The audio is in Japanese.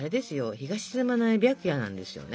日が沈まない白夜なんですよね。